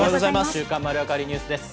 週刊まるわかりニュースです。